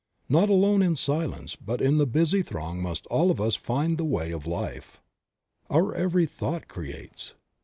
Not alone in the silence but in the busy throng must all of us find the way of life. Our every thought creates.